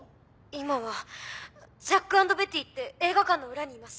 今は「ジャックアンドベティ」って映画館の裏にいます。